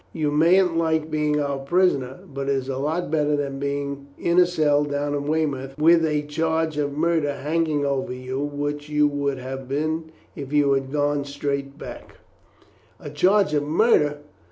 You mayn't like being our prisoner; but it is a lot better than being in a cell down in Weymouth with a charge of murder hanging over you, which you would have been if you had gone straight back again." "A charge of murder!"